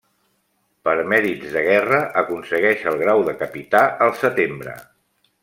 Per mèrits de guerra aconsegueix el grau de capità al setembre.